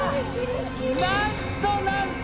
なんとなんと。